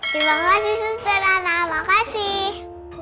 terima kasih suster anak makasih